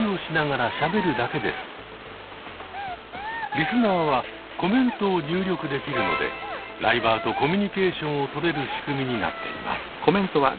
リスナーはコメントを入力できるのでライバーとコミュニケーションをとれる仕組みになっています。